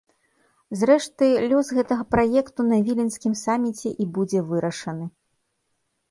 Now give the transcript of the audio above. Зрэшты, лёс гэтага праекту на віленскім саміце і будзе вырашаны.